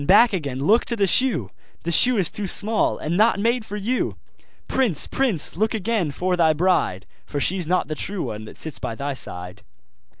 back again! look to the shoe! The shoe is too small, and not made for you! Prince! prince! look again for thy bride, For she's not the true one that sits by thy side.